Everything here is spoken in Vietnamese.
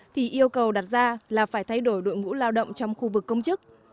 thì yêu cầu đặt ra là phải thay đổi đội ngũ lao động trong khu vực công chức